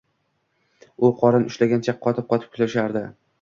U qorin ushlagancha qotib-qotib kulishardi.